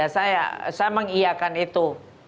saya mengiakan itu